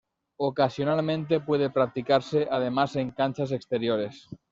Ocasionalmente, puede practicarse además en canchas exteriores.